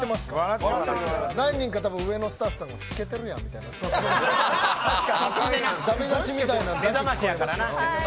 何人か上のスタッフさんが透けてるやんみたいなめざましやからな。